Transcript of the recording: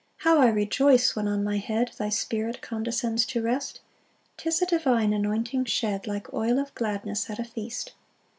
7 [How I rejoice when on my head Thy Spirit condescends to rest! 'Tis a divine anointing shed Like oil of gladness at a feast.